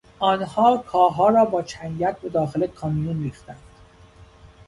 آنها کاهها را با چنگک به داخل کامیون ریختند.